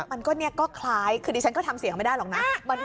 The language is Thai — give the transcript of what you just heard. มันก็คล้ายคือดิฉันก็ทำเสียงไม่ได้หรอกนะ